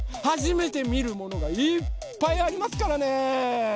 はじめてみるものがいっぱいありますからね！